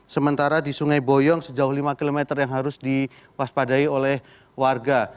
sementara di sungai boyong sejauh lima km yang harus diwaspadai oleh warga